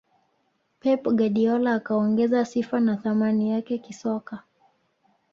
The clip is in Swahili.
pep guardiola akaongeza sifa na thamani yake kisoka